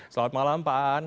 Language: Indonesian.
selamat malam pak aan